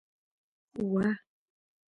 وه